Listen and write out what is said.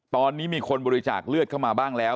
ตอนนี้มีคนบริจาคเลือดเข้ามาบ้างแล้ว